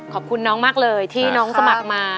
ขอบคุณน้องมากเลยที่น้องสมัครมา